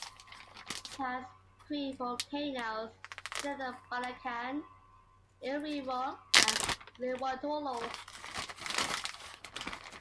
It has three volcanoes, Ililabalekan, Iliwerung, and Lewotolo.